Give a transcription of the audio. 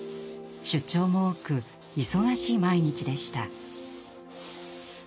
出張も多く忙しい毎日でした。